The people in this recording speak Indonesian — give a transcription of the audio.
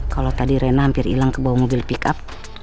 kalau tadi rena hampir hilang ke bawa mobil pickup